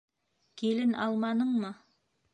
Килен алманыңмы?